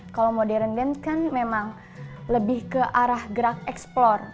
kalau modern den kan memang lebih ke arah gerak eksplor